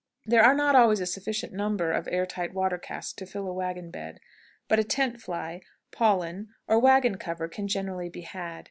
There are not always a sufficient number of airtight water casks to fill a wagon bed, but a tentfly, paulin, or wagon cover can generally be had.